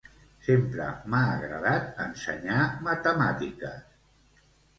Sempre m'ha agradat ensenyar matemàtiques